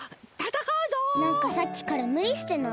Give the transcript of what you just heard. なんかさっきからむりしてない？